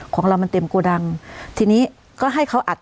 ของเรามันเต็มโกดังทีนี้ก็ให้เขาอัด